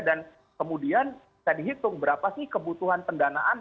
dan kemudian bisa dihitung berapa sih kebutuhan pendanaan